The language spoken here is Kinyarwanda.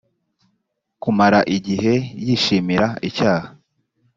kumara igihe yishimira icyaha